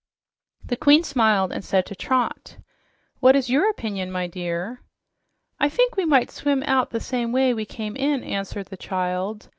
The queen smiled and said to Trot, "What is your opinion, my dear?" "I think we might swim out the same way we came in," answered the child.